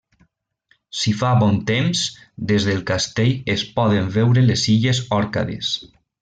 Si fa bon temps, des del castell es poden veure les Illes Òrcades.